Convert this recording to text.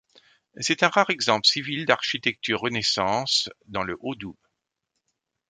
C'est un rare exemple civil d'architecture Renaissance dans le Haut-Doubs.